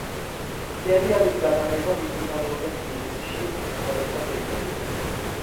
სერიალის გადაღება მიმდინარეობდა თბილისში, სხვადასხვა ტერიტორიებზე.